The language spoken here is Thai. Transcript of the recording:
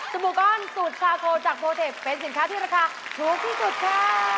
บู่ก้อนสูตรซาโกจากโมเดฟเป็นสินค้าที่ราคาถูกที่สุดค่ะ